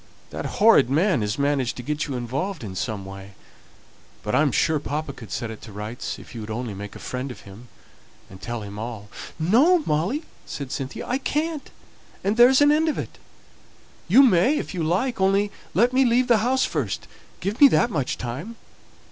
That horrid man has managed to get you involved in some way; but I am sure papa could set it to rights, if you would only make a friend of him, and tell him all " "No, Molly," said Cynthia, "I can't, and there's an end of it. You may if you like, only let me leave the house first; give me that much time."